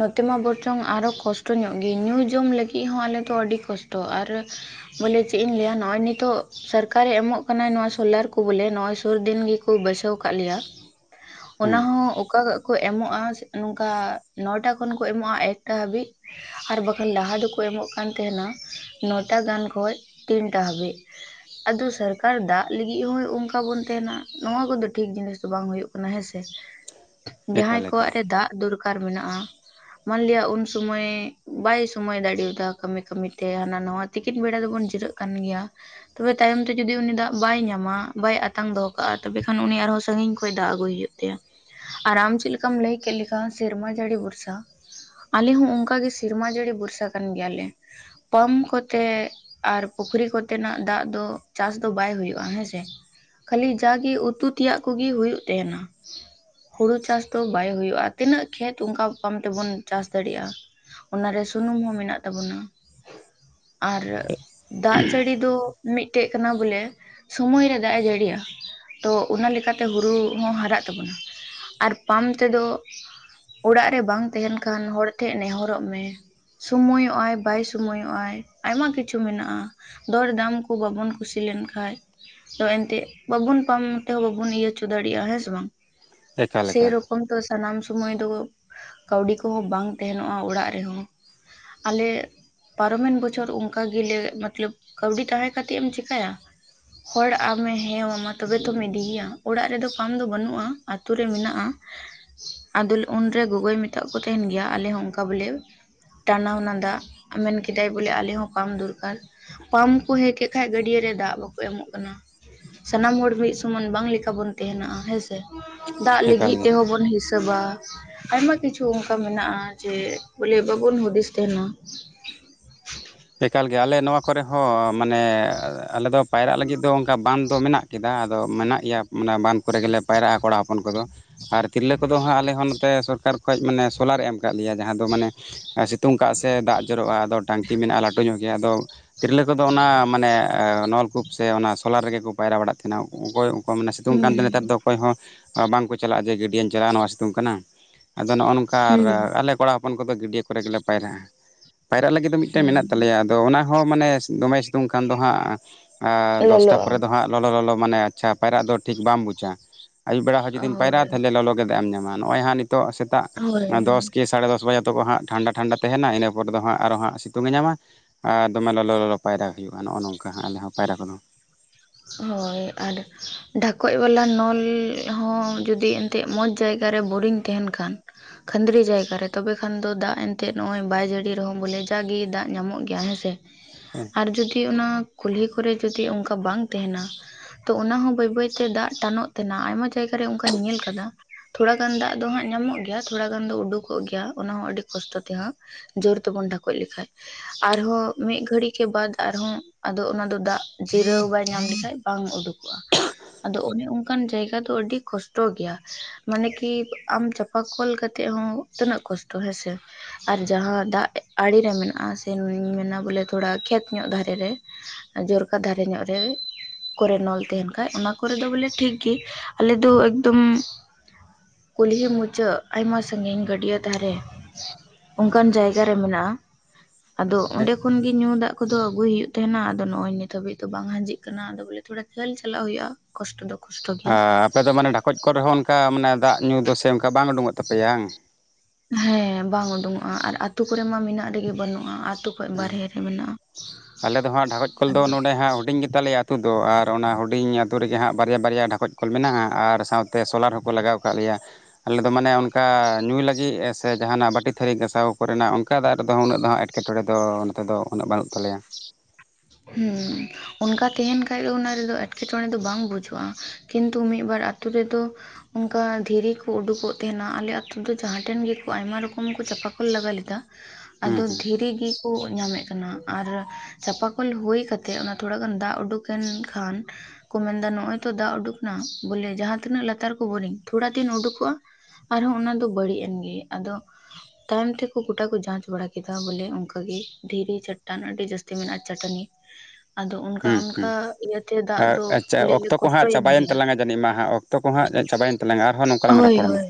ᱱᱚᱛᱮ ᱢᱟ ᱵᱚᱨᱪᱚᱝ ᱟᱨᱚ ᱠᱚᱥᱴᱚ ᱧᱚᱜ ᱜᱮ ᱧᱩ ᱡᱚᱢ ᱞᱟᱹᱜᱤᱫ ᱦᱚᱸ ᱟᱞᱮᱚ ᱟᱹᱰᱤ ᱠᱚᱥᱴᱚ ᱟᱨ ᱵᱚᱞᱮ ᱪᱮᱫ ᱤᱧ ᱞᱟᱹᱭᱟ ᱱᱚᱜᱼᱚᱭ ᱱᱤᱛᱚᱜ ᱥᱚᱨᱠᱟᱨᱮ ᱮᱢᱚᱜ ᱠᱟᱱᱟ ᱱᱚᱣᱟ ᱥᱳᱞᱟᱨ ᱠᱚ ᱵᱚᱞᱮ ᱱᱚᱜᱚᱭ ᱥᱩᱨ ᱫᱤᱱ ᱜᱮᱠᱚ ᱵᱟᱹᱭᱥᱟᱹᱣ ᱟᱠᱟᱫ ᱞᱮᱭᱟ ᱚᱱᱟ ᱦᱮᱸ ᱦᱚᱸ ᱚᱠᱟ ᱟᱜ ᱠᱚ ᱮᱢᱚᱜᱼᱟ ᱱᱚᱝᱠᱟ ᱱᱚᱴᱟ ᱠᱷᱚᱱ ᱠᱚ ᱮᱢᱚᱜᱼᱟ ᱮᱠᱴᱟ ᱦᱟᱹᱵᱤᱡ ᱟᱨ ᱵᱟᱠᱷᱟᱱ ᱞᱟᱦᱟ ᱫᱚᱠᱚ ᱮᱢᱚᱜ ᱠᱟᱱ ᱛᱟᱦᱮᱱᱟ ᱱᱚᱴᱟ ᱜᱟᱱ ᱠᱷᱚᱡ ᱛᱤᱱᱴᱟ ᱦᱟᱹᱵᱤᱡ ᱟᱫᱚ ᱥᱚᱨᱠᱟᱨ ᱫᱟᱜ ᱞᱟᱹᱜᱤᱫ ᱦᱚᱸ ᱚᱱᱠᱟ ᱵᱚᱱ ᱛᱟᱦᱮᱱᱟ ᱱᱚᱣᱟ ᱠᱚᱫᱚ ᱴᱷᱤᱠ ᱡᱤᱱᱤᱥ ᱫᱚ ᱵᱟᱝ ᱦᱩᱭᱩᱜ ᱠᱟᱱᱟ ᱠᱟᱱᱟ ᱦᱮᱸᱥᱮ ᱮᱠᱟᱞ ᱡᱟᱦᱟᱸᱭ ᱮᱠᱟᱞ ᱠᱚᱣᱟᱜ ᱨᱮ ᱫᱟᱜ ᱫᱚᱨᱠᱟᱨ ᱢᱮᱱᱟᱜᱼᱟ ᱢᱟᱱᱞᱤᱭᱟ ᱩᱱ ᱥᱚᱢᱚᱭ ᱵᱟᱭ ᱥᱚᱢᱚᱭ ᱫᱟᱲᱮᱭᱟᱫᱟ ᱠᱟᱹᱢᱤ ᱠᱟᱹᱢᱤᱛᱮ ᱦᱟᱱᱟ ᱱᱟᱣᱟ ᱛᱤᱠᱤᱱ ᱵᱮᱲᱟ ᱫᱚᱵᱚᱱ ᱡᱷᱤᱨᱟᱹᱜ ᱠᱟᱱ ᱜᱮᱭᱟ ᱛᱚᱵᱮ ᱛᱟᱭᱚᱢ ᱛᱮ ᱡᱩᱫᱤ ᱩᱱᱤ ᱫᱟᱜ ᱵᱟᱭ ᱧᱟᱢᱟ ᱵᱟᱭ ᱟᱛᱟᱝ ᱫᱚᱦᱚ ᱠᱟᱜᱼᱟ ᱛᱚᱵᱮ ᱠᱷᱟᱱ ᱩᱱᱤ ᱟᱨᱦᱚᱸ ᱥᱟᱝᱤᱧ ᱠᱷᱚᱡ ᱫᱟᱜ ᱟᱹᱜᱩᱭ ᱦᱩᱭᱩᱜ ᱛᱟᱭᱟ ᱟᱨ ᱟᱢ ᱪᱮᱫ ᱞᱮᱠᱟᱢ ᱞᱟᱹᱭ ᱠᱮᱫ ᱞᱮᱠᱟ ᱥᱮᱨᱢᱟ ᱡᱟᱹᱲᱤ ᱵᱷᱚᱨᱥᱟ ᱟᱞᱮ ᱦᱚᱸ ᱚᱱᱠᱟᱜᱮ ᱥᱮᱨᱢᱟ ᱡᱟᱹᱲᱤ ᱵᱷᱚᱨᱥᱟ ᱠᱟᱱ ᱜᱮᱭᱟᱞᱮ ᱯᱟᱢᱯ ᱠᱚᱛᱮ ᱟᱨ ᱯᱩᱠᱷᱨᱤ ᱠᱚᱛᱮᱱᱟᱜ ᱫᱟᱜ ᱫᱚ ᱪᱟᱥ ᱫᱚ ᱵᱟᱭ ᱦᱩᱭᱩᱜᱼᱟ ᱦᱮᱸᱥᱮ ᱠᱷᱟᱹᱞᱤ ᱡᱟᱜᱮ ᱩᱛᱩ ᱛᱮᱭᱟᱜ ᱠᱚᱜᱮ ᱦᱩᱭᱩᱜ ᱛᱟᱦᱮᱱᱟ ᱦᱩᱲᱩ ᱪᱟᱥ ᱫᱚ ᱵᱟᱭ ᱦᱩᱭᱩᱜ-ᱟ᱾ ᱛᱤᱱᱟᱹᱜ ᱠᱷᱮᱛ ᱚᱱᱠᱟ ᱵᱟᱝ ᱛᱮᱵᱚᱱ ᱪᱟᱥ ᱫᱟᱲᱮᱭᱟᱜ-ᱟ? ᱚᱱᱟᱨᱮ ᱥᱩᱱᱩᱢ ᱦᱚᱸ ᱢᱮᱱᱟᱜ ᱛᱟᱵᱚᱱᱟ᱾ ᱟᱨ ᱫᱟᱜ ᱡᱟᱹᱲᱤ ᱫᱚ ᱢᱤᱫᱴᱮᱡ ᱠᱟᱱᱟ ᱵᱚᱞᱮ᱾ ᱥᱳᱢᱚᱭ ᱨᱮ ᱫᱟᱜ-ᱮ ᱡᱟᱹᱲᱤᱭᱟ ᱛᱚ, ᱚᱱᱟ ᱞᱮᱠᱟᱛᱮ ᱦᱩᱲᱩ ᱦᱚᱸ ᱦᱟᱨᱟᱜ ᱛᱟᱵᱚᱱᱟ ᱟᱨ ᱯᱟᱢᱯ ᱛᱮᱫᱚ ᱚᱲᱟᱜ ᱨᱮ ᱵᱟᱝ ᱛᱮᱦᱮᱱ ᱠᱷᱟᱱ ᱦᱚᱲ ᱴᱷᱮᱜ ᱱᱮᱦᱚᱨᱚᱜ ᱢᱮ᱾ ᱥᱚᱢᱚᱭᱚᱜ-ᱟᱭ ᱵᱟᱭ ᱥᱚᱢᱚᱭᱚᱜ-ᱟᱭ ᱟᱭᱢᱟ ᱠᱤᱪᱷᱩ ᱢᱮᱱᱟᱜ-ᱟ᱾ ᱫᱚᱨ ᱫᱟᱢ ᱠᱚ ᱵᱟᱵᱚᱱ ᱠᱩᱥᱤ ᱞᱮᱱᱠᱷᱟᱡ ᱟᱫᱚ ᱮᱱᱛᱮᱫ ᱵᱟᱵᱚᱱ ᱯᱟᱢ ᱛᱮᱦᱚᱸ ᱵᱟᱵᱚᱱ ᱤᱭᱟᱹ ᱦᱚᱪᱚ ᱫᱟᱲᱮᱭᱟᱜ-ᱟ ᱦᱮᱸ ᱥᱮ ᱵᱟᱝ? ᱮᱠᱟᱞ ᱥᱮ ᱮᱠᱟᱞ ᱨᱚᱠ ᱚᱱᱛᱚ ᱥᱟᱱᱟᱢ ᱥᱩᱢᱟᱹᱭ ᱫᱚ ᱠᱟᱹᱣᱰᱤ ᱠᱚᱦᱚᱸ ᱵᱟᱝ ᱛᱟᱦᱮᱱᱚᱜ-ᱟ ᱚᱲᱟᱜ ᱨᱮᱦᱚᱸ᱾ ᱟᱞᱮ ᱯᱟᱨᱚᱢᱮᱱ ᱵᱚᱪᱷᱚᱨ ᱚᱱᱠᱟ ᱜᱮᱞᱮ ᱢᱚᱛᱞᱚᱵ ᱠᱟᱹᱣᱰᱤ ᱛᱟᱦᱮᱸ ᱠᱟᱛᱮᱫ ᱮᱢ ᱪᱮᱠᱟᱭᱟ᱾ ᱦᱚᱲ ᱟᱢᱮ ᱦᱮᱸᱣᱟᱢᱟ ᱛᱚᱵᱮ ᱛᱚᱢ ᱤᱫᱤᱭᱮᱭᱟ᱾ ᱚᱲᱟᱜ ᱨᱮᱫᱚ ᱯᱟᱢ ᱫᱚ ᱵᱟᱹᱱᱩᱜ-ᱟ ᱟᱛᱳ ᱨᱮ ᱢᱮᱱᱟᱜᱼᱟ᱾ ᱟᱫᱚ ᱩᱱᱨᱮ ᱜᱚᱜᱚᱭ ᱢᱮᱛᱟᱫ ᱠᱚ ᱛᱟᱦᱮᱱ ᱜᱮᱭᱟ ᱟᱞᱮ ᱦᱚᱸ ᱚᱝᱠᱟ ᱵᱚᱞᱮ᱾ ᱴᱟᱱᱟᱣᱱᱟ ᱫᱟᱜ, ᱢᱮᱱ ᱠᱮᱫᱟᱭ ᱵᱚᱞᱮ ᱟᱞᱮ ᱦᱚᱸ ᱯᱟᱢ ᱫᱚᱨᱠᱟᱨ᱾ ᱯᱟᱢ ᱠᱚ ᱦᱮᱸ ᱠᱮᱫ ᱠᱷᱟᱡ ᱜᱟᱹᱰᱭᱟᱹ ᱨᱮ ᱫᱟᱜ ᱵᱟᱠᱚ ᱮᱢᱚᱜ ᱠᱟᱱᱟ᱾ ᱥᱟᱱᱟᱢ ᱦᱚᱲ ᱢᱤᱫ ᱥᱚᱢᱟᱱ ᱵᱟᱝ ᱞᱮᱠᱟ ᱠᱟᱵᱚᱱ ᱛᱮᱦᱮᱱᱚᱜ-ᱟ ᱦᱮᱸᱥᱮ, ᱫᱟᱜ ᱮᱠᱟᱞ ᱞᱟᱹᱜᱤᱫ ᱜᱮ ᱛᱮᱦᱚᱸ ᱵᱚᱱ ᱦᱤᱸᱥ ᱥᱮᱵᱟ ᱟᱭᱢᱟ ᱠᱤᱪᱷᱩ ᱚᱱᱠᱟ ᱢᱮᱱᱟᱜ-ᱟ ᱡᱮ ᱵᱚᱞᱮ ᱵᱟᱵᱚᱱ ᱦᱩᱫᱤᱥ ᱛᱟᱦᱮᱱᱟ᱾ ᱮᱠᱟᱞ ᱜᱮ ᱟᱞᱮ ᱱᱚᱣᱟ ᱠᱚᱨᱮ ᱦᱚᱸ ᱢᱟᱱᱮ ᱟᱞᱮ ᱫᱚ ᱯᱟᱭᱨᱟᱜ ᱞᱟᱹᱜᱤᱫ ᱫᱚ ᱚᱝᱠᱟ ᱵᱟᱸ ᱫᱚ ᱢᱮᱱᱟᱜ ᱠᱮᱫᱟ ᱟᱫᱚ ᱢᱮᱱᱟᱜ ᱜᱮᱭᱟ ᱢᱟᱱᱮ ᱵᱟᱸᱫ ᱠᱚᱨᱮ ᱜᱮᱞᱮ ᱯᱟᱭᱨᱟᱜ-ᱟ ᱠᱚᱲᱟ ᱦᱚᱯᱚᱱ ᱠᱚᱫᱚ ᱟᱨ ᱛᱤᱨᱞᱟᱹ ᱠᱚᱫᱚ ᱦᱟᱸᱜ ᱟᱞᱮ ᱦᱚᱸ ᱱᱚᱛᱮ ᱥᱚᱨᱠᱟᱨ ᱠᱷᱚ ᱠᱷᱚᱡ ᱢᱟᱱᱮ ᱥᱳᱞᱟᱨᱮ ᱮᱢ ᱟᱠᱟᱫ ᱞᱮᱭᱟ ᱡᱟᱦᱟᱸ ᱫᱚ ᱢᱟᱱᱮ ᱥᱤᱛᱩᱝ ᱠᱟᱜ ᱥᱮ ᱫᱟᱜ ᱡᱚᱨᱚᱜ-ᱟ ᱟᱫᱚ ᱴᱟᱝᱠᱤ ᱠᱤ ᱢᱮᱱᱟᱜ-ᱟ ᱞᱟᱹᱴᱩ ᱧᱚᱜ ᱜᱮᱭᱟ, ᱟᱫᱚ ᱛᱤᱨᱞᱟᱹ ᱠᱚᱫᱚ ᱚᱱᱟ ᱢᱟᱱᱮ ᱱᱚᱞᱠᱩᱯ ᱥᱮ ᱥᱮ ᱚᱱᱟ ᱥᱳᱞᱟᱨ ᱨᱮᱜᱮ ᱠᱚ ᱯᱟᱭᱨᱟ ᱵᱟᱲᱟᱜ ᱛᱟᱦᱮᱱᱟ ᱚᱠᱚᱭ ᱚᱠᱚᱠᱟ ᱢᱟᱱᱮ ᱥᱤᱛᱩᱝ ᱠᱟᱱᱛᱮ ᱱᱮᱛᱟᱨ ᱦᱩᱸ ᱫᱚ ᱚᱠᱚᱭ ᱦᱚᱸ ᱵᱟᱝ ᱠᱚ ᱪᱟᱞᱟᱜ-ᱟ ᱡᱮ ᱜᱟᱹᱰᱭᱟᱹᱧ ᱪᱟᱞᱟᱜ-ᱟ ᱱᱚᱣᱟ ᱥᱤᱛᱩᱝ ᱠᱟᱱᱟ ᱟᱫᱚ ᱱᱚᱜ-ᱚ ᱱᱚᱝᱠᱟ ᱟᱨ ᱦᱩᱸ ᱟᱞᱮ ᱠᱚᱲᱟ ᱦᱚᱯᱚᱱ ᱠᱚᱫᱚ ᱜᱟᱹᱰᱭᱟ ᱠᱚᱨᱮ ᱜᱮᱞᱮ ᱯᱟᱭᱨᱟᱜ-ᱟ᱾ ᱯᱟᱭᱨᱟᱜ ᱞᱟᱹᱜᱤᱫ ᱫᱚ ᱢᱤᱫᱴᱮᱱ ᱦᱩᱸ ᱢᱮᱱᱟᱜ ᱛᱟᱞᱮᱭᱟ᱾ ᱟᱫᱚ ᱚᱱᱟᱦᱚᱸ ᱢᱟᱱᱮ ᱫᱚᱢᱮᱭ ᱥᱤᱛᱩᱝ ᱠᱷᱟᱱ ᱫᱚ ᱦᱟᱸᱜ ᱫᱚᱥᱴᱟ ᱞᱚᱞᱚᱜᱼᱟ ᱯᱚᱨᱮ ᱫᱚ ᱦᱟᱸᱜ ᱞᱚᱞ ᱞᱚᱞᱚ ᱢᱟᱱᱮ ᱟᱪᱪᱷᱟ ᱯᱟᱭᱨᱟᱜ ᱫᱚ ᱴᱷᱤᱠ ᱵᱟᱢ ᱵᱩᱡᱟ ᱟᱭᱩᱵ ᱵᱮᱲᱟ ᱦᱚᱸ ᱡᱩᱫᱤᱢ ᱦᱳᱭ ᱯᱟᱭᱨᱟᱜ-ᱟ ᱛᱟᱦᱞᱮ ᱞᱚᱞᱚ ᱜᱮ ᱮᱴᱫᱟᱜ-ᱮᱢ ᱧᱟᱢᱟ᱾ ᱱᱚᱜ-ᱚᱭ ᱦᱟᱸᱜ ᱱᱤᱛᱳᱜ ᱥᱮᱛᱟᱜ ᱦᱳᱭ ᱫᱚᱥ ᱠᱮᱥ ᱥᱟᱲᱮ ᱫᱚᱥ ᱵᱟᱡᱮ ᱛᱚᱠᱷᱚ ᱦᱟᱸᱜ ᱴᱷᱟᱱᱰᱟ ᱴᱷᱟᱱᱰᱟ ᱛᱟᱦᱮᱱᱟ ᱤᱱᱟᱹᱯᱚᱨ ᱫᱚ ᱦᱟᱸᱜ ᱟᱨ ᱦᱟᱸᱜ ᱥᱤᱛ ᱛᱩᱝᱮ ᱧᱟᱢᱟ ᱟᱨ ᱫᱚᱢᱮ ᱞᱚᱞᱚ ᱞᱚᱞᱚ ᱯᱟᱭᱨᱟ ᱦᱩᱭᱩᱜ-ᱟ ᱱᱚᱜᱼᱚ ᱱᱚᱝᱠᱟ ᱟᱞᱮ ᱦᱚᱸ ᱯᱟᱭᱨᱟ ᱠᱚᱫᱚ᱾ ᱦᱳᱭ ᱟᱨ ᱰᱷᱟᱠᱚᱡ ᱵᱟᱞᱟ ᱱᱚᱞ ᱦᱚᱸ ᱡᱩᱫᱤ ᱛᱮᱜ ᱢᱚᱸᱡᱽ ᱡᱟᱭᱜᱟ ᱨᱮ ᱵᱳᱨᱤᱰᱤᱝ ᱛᱮᱦᱮᱱ ᱠᱷᱟᱱ ᱠᱷᱟᱺᱫᱽᱨᱤ ᱡᱟᱭᱜᱟ ᱨᱮ ᱛᱚᱵᱮ ᱠᱷᱟᱱ ᱫᱚ ᱫᱟᱜ ᱮᱱᱛᱜ ᱱᱚᱜ-ᱚᱭ ᱵᱟᱭ ᱡᱟᱹᱲᱤ ᱨᱮᱦᱚᱸ ᱵᱚᱞᱮ ᱡᱟᱜᱮ ᱫᱟᱜ ᱧᱟᱢᱚᱜ ᱜᱮᱭᱟ ᱦᱮᱸᱥ ᱥᱮ᱾ ᱦᱮᱸ᱾ ᱟᱨ ᱡᱩᱫᱤ ᱚᱱᱟ ᱠᱩᱞᱦᱤ ᱠᱚᱨᱮ ᱡᱩᱫᱤ ᱚᱝᱠᱟ ᱵᱟᱝ ᱛᱮᱦᱮᱱᱟ᱾ ᱛᱚ ᱚᱱᱟᱦᱚᱸ ᱵᱟᱹᱭ ᱵᱟᱹᱭ ᱛᱮ ᱫᱟᱜ ᱴᱟᱱᱚᱜ ᱛᱟᱦᱮᱱᱟ ᱟᱭᱢᱟ ᱡᱟᱭᱜᱟ ᱨᱮ ᱚᱱᱠᱟᱧ ᱧᱮᱞ ᱠᱟᱫᱟ᱾ ᱛᱷᱚᱲᱟ ᱜᱟᱱ ᱫᱟᱜ ᱫᱚ ᱦᱟᱸᱜ ᱧᱟᱢᱚᱜ ᱜᱮᱭᱟ ᱛᱷᱚᱲᱟ ᱜᱟᱱ ᱫᱚ ᱩᱰᱩᱠᱚᱜ ᱜᱮᱭᱟ ᱚᱱᱟᱦᱚᱸ ᱟᱹᱰᱤ ᱠᱚᱥᱴᱚ ᱛᱮᱦᱟᱸ᱾ ᱡᱳᱨ ᱛᱮᱵᱚᱱ ᱰᱷᱟᱠᱚᱡ ᱞᱮᱠᱷᱟᱡ᱾ ᱟᱨᱦᱚᱸ ᱢᱤᱫ ᱜᱷᱟᱹᱲᱤᱡ ᱠᱮ ᱵᱟᱫ ᱟᱨᱦᱚᱸ ᱟᱫᱚ ᱚᱱᱟ ᱫᱚ ᱫᱟᱜ ᱡᱤᱨᱟᱹᱣ ᱵᱟᱭ ᱧᱟᱢ ᱞᱮᱠᱷᱟᱡ ᱵᱟᱝ ᱩᱰᱩᱠᱚᱜ-ᱟ᱾ ᱟᱫᱚ ᱚᱱᱮ ᱚᱱᱠᱟᱱ ᱡᱟᱭᱜᱟ ᱫᱚ ᱟᱹᱰᱤ ᱠᱚᱥᱴᱚ ᱜᱮᱭᱟ᱾ ᱢᱟᱱᱮ ᱠᱤ ᱟᱢ ᱪᱟᱯ ᱵᱟ ᱠᱚᱞ ᱠᱟᱛᱮᱜ ᱦᱚᱸ ᱛᱤᱱᱟᱹᱜ ᱠᱚᱥᱴᱚ ᱦᱮᱸ ᱥᱮ᱾ ᱟᱨ ᱡᱟᱦᱟᱸ ᱫᱟᱜ ᱟᱲᱮᱨᱮ ᱢᱮᱱᱟᱜᱼᱟ ᱥᱮ ᱢᱮᱱᱟ ᱵᱚᱞᱮ ᱛᱷᱚᱲᱟ ᱠᱷᱮᱛ ᱧᱚᱜ ᱫᱷᱟᱨᱮ ᱨᱮᱼᱼ ᱡᱚᱨᱠᱟ ᱫᱷᱟᱨᱮ ᱨᱮ ᱠᱚᱨᱮ ᱱᱚᱞ ᱛᱟᱦᱮᱱ ᱠᱷᱟᱡ ᱚᱱᱟ ᱠᱚᱨᱮ ᱫᱚ ᱵᱚᱞᱮ ᱴᱷᱤᱠ ᱜᱮ, ᱟᱞᱮ ᱫᱚ ᱮᱠᱫᱚᱢᱼᱼ ᱠᱩᱞᱦᱤ ᱢᱩᱪᱟᱹᱫ ᱟᱭᱢᱟ ᱥᱟᱜᱤᱧ ᱜᱟᱹᱰᱭᱟᱹ ᱫᱷᱟᱨᱮᱼᱼ ᱚᱱᱠᱟᱱ ᱡᱟᱭᱜᱟ ᱨᱮ ᱢᱮᱱᱟᱜᱼᱟ᱾ ᱟᱫᱚ ᱚᱸᱰᱮ ᱠᱷᱚᱱᱜᱮ ᱧᱩ ᱫᱟᱜ ᱠᱚᱫᱚ ᱟᱹᱜᱩᱭ ᱦᱩᱭᱩᱜ ᱛᱟᱦᱮᱱᱟ ᱟᱫᱚ ᱱᱚᱜᱚᱭ ᱱᱤᱛ ᱦᱟᱹᱵᱤᱡ ᱫᱚᱼᱼ ᱵᱟᱝ ᱦᱟᱡᱤᱜ ᱠᱟᱱᱟ ᱟᱫᱚ ᱵᱚᱞᱮ ᱛᱷᱚᱲᱟ ᱡᱷᱟᱹᱞ ᱪᱟᱞᱟᱜ ᱦᱩᱭᱩᱜ-ᱟ ᱠᱚᱥᱴᱚ ᱫᱚ ᱠᱚᱥᱴᱚ ᱜᱮᱭᱟ᱾ ᱟᱨ ᱟᱯᱮ ᱫᱚ ᱢᱟᱱᱮ ᱰᱷᱟᱠᱚᱡ ᱠᱚᱨᱮ ᱦᱚᱸ ᱚᱱᱠᱟ ᱢᱟᱱᱮ ᱫᱟᱜ ᱧᱩ ᱫᱚ ᱥᱮ ᱚᱱᱠᱟ ᱵᱟᱝ ᱩᱰᱩᱠᱚᱜ ᱛᱟᱯᱮᱭᱟᱝ ᱦᱮᱸ ᱵᱟᱝ ᱩᱰᱩᱠᱚᱜ-ᱟ ᱟᱨ ᱟᱛᱩ ᱠᱚᱨᱮ ᱢᱟ ᱢᱤᱱᱟᱜ ᱨᱮᱜᱮ ᱵᱟᱹᱱᱩᱜᱼᱟ ᱟᱛᱩ ᱦᱮᱸ ᱟᱞᱮ ᱫᱚ ᱦᱟᱸᱜ ᱰᱷᱮᱜᱚᱡ ᱠᱚᱞ ᱫᱚ ᱟᱫᱚ ᱱᱚᱰᱮ ᱦᱟᱸᱜ ᱦᱩᱰᱤᱧ ᱜᱮᱼᱼ ᱛᱟᱞᱮᱭᱟ ᱟᱛᱩ ᱫᱚ ᱟᱨ ᱚᱱᱟ ᱦᱩᱰᱤᱧ ᱟᱹᱛᱩ ᱨᱮᱜᱮ ᱦᱟᱸᱜ ᱵᱟᱨᱭᱟ ᱵᱟᱨᱭᱟ ᱰᱷᱟᱠᱚᱡ ᱠᱚᱞ ᱢᱮᱱᱟᱜ-ᱟ ᱟᱨ ᱥᱟᱶᱼᱼ ᱛᱮ ᱥᱳᱞᱟᱨ ᱦᱚᱸᱠᱚ ᱞᱟᱜᱟᱣ ᱠᱟᱫ ᱞᱮᱭᱟ᱾ ᱟᱞᱮ ᱫᱚ ᱢᱟᱱᱮ ᱚᱱᱠᱟ ᱧᱩᱭ ᱞᱟᱜᱤᱫ ᱥᱮ ᱡᱟᱦᱟᱸᱱᱟᱜ ᱵᱟᱴᱤ ᱛᱷᱟᱨᱤ ᱜᱟᱥᱟᱣ ᱠᱚᱨᱮᱱᱟᱜ ᱚᱱᱠᱟ ᱫᱟᱜ ᱨᱮᱫᱚ ᱩᱱᱟᱹᱜ ᱫᱚ ᱦᱟᱜ ᱮᱴᱠᱮᱼᱼ ᱴᱚᱬᱮ ᱫᱚ ᱱᱚᱛᱮ ᱫᱚ ᱩᱱᱟᱹᱜ ᱵᱟᱱᱩᱜ ᱛᱟᱞᱮᱭᱟ᱾ ᱦᱩᱸ ᱚᱱᱠᱟ ᱛᱟᱦᱮᱸᱱ ᱠᱷᱟᱡ ᱫᱚ ᱩᱱᱟ ᱨᱮᱫᱚ ᱮᱴᱠᱮ ᱴᱚᱬᱮ ᱫᱚ ᱵᱟᱝ ᱵᱩᱡᱚᱜᱼᱟ᱾ ᱠᱤᱱᱛᱩ ᱢᱤᱫ ᱵᱟᱨ ᱟᱛᱩ ᱨᱮᱫᱚᱼᱼ ᱚᱝᱠᱟ ᱫᱷᱤᱨᱤ ᱠᱩ ᱩᱰᱩᱠᱚᱜ ᱛᱟᱦᱮᱸᱱᱟ ᱟᱞᱮ ᱟᱛᱩ ᱫᱚ ᱡᱟᱦᱟᱸ ᱴᱷᱮᱱ ᱜᱮᱠᱚ ᱟᱭᱢᱟ ᱨᱚᱠᱚᱢ ᱠᱚ ᱪᱟᱯᱟ ᱠᱚᱞ ᱞᱟᱜᱟ ᱞᱮᱫᱟ᱾ ᱦᱩᱸ ᱟᱫᱚ ᱦᱩᱸ ᱫᱷᱤᱨᱤ ᱜᱮᱠᱩ ᱧᱟᱢᱮᱫ ᱠᱟᱱᱟ ᱟᱨ ᱪᱟᱯᱟᱼᱼ ᱠᱚᱞ ᱦᱩᱭ ᱠᱟᱛᱮᱫ ᱩᱱᱟ ᱛᱷᱩᱲᱟ ᱜᱟᱱ ᱫᱟᱜ ᱩᱰᱩᱠ ᱮᱱ ᱠᱷᱟᱱ ᱠᱚ ᱢᱮᱱᱫᱟ ᱱᱚᱜᱼᱚᱭ ᱛᱚ ᱫᱟᱜ ᱩᱰᱩᱠ ᱮᱱᱟ ᱵᱚᱞᱮ ᱡᱟᱦᱟᱸ ᱛᱤᱱᱟᱹᱜ ᱞᱟᱛᱟᱨ ᱠᱚ ᱵᱚᱨᱤᱝ ᱛᱷᱩᱲᱟ ᱫᱤᱱ ᱩᱰᱩᱠᱚᱜᱼᱟ ᱟᱨᱦᱚᱸ ᱚᱱᱟ ᱫᱚ ᱵᱟᱹᱲᱤᱡ ᱮᱱ ᱜᱮ ᱟᱫᱚᱼᱼ ᱛᱟᱭᱚᱢ ᱛᱮᱠᱩ ᱜᱩᱴᱟ ᱠᱚ ᱡᱟᱸᱪ ᱵᱟᱲᱟ ᱠᱮᱫᱟ ᱵᱚᱞᱮ ᱚᱱᱠᱟᱜᱮ ᱫᱷᱤᱨᱤ ᱪᱟᱴᱟᱱ ᱟᱰᱤ ᱡᱟᱹᱥᱛᱤ ᱢᱮᱱᱟᱜᱼᱟ ᱪᱟᱴᱱᱤ ᱟᱫᱚ ᱩᱱᱠᱟ ᱦᱩᱸ ᱦᱩᱸ ᱩᱱᱠᱟ ᱤᱭᱟᱹᱛᱮ ᱫᱟᱜ ᱫᱚ ᱟᱪᱪᱷᱟ ᱞᱮ ᱚᱠᱛᱚ ᱠᱚ ᱦᱟᱸᱜ ᱠᱚᱥᱴᱚᱭᱮᱱ ᱪᱟᱵᱟᱭᱮᱱ ᱜᱮᱭᱟ᱾ ᱛᱟᱞᱟᱝᱟ ᱡᱟᱹᱱᱤᱡ ᱢᱟ ᱦᱟᱸᱜ ᱚᱠᱛᱚ ᱠᱚ ᱦᱟᱸᱜ ᱪᱟᱵᱟᱭᱮᱱ ᱛᱟᱞᱟᱝᱟ ᱟᱨᱦᱚᱸ ᱱᱚᱝᱠᱟᱞᱟᱝ ᱦᱳᱭ ᱨᱚᱯᱚᱲᱟᱢᱟᱼᱼ ᱦᱳᱭ